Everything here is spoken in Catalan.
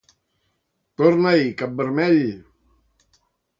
Torna-hi, cap vermell!